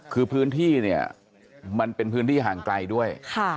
คือพื้นที่เนี่ยมันเป็นพื้นที่ห่างไกลด้วย